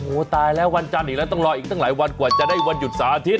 โอ้โหตายแล้ววันจันทร์อีกแล้วต้องรออีกตั้งหลายวันกว่าจะได้วันหยุดเสาร์อาทิตย